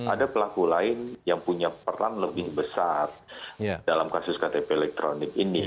ada pelaku lain yang punya peran lebih besar dalam kasus ktp elektronik ini